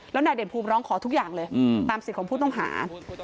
แล้วนายเด่นภูมิร้องขอทุกอย่างเลยตามสิทธิ์ของผู้ต้องหา